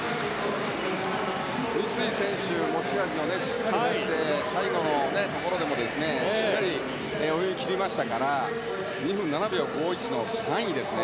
三井選手持ち味をしっかり出して最後のところでもしっかり泳ぎ切りましたから２分７秒５１の３位ですね。